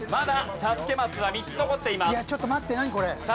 助けマス３つ残ってます。